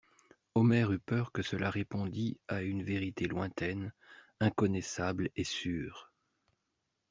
Omer eut peur que cela répondît à une vérité lointaine, inconnaissable et sûre.